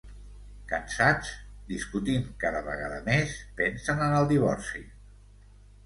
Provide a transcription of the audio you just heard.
Cansats, discutint cada vegada més, pensen en el divorci.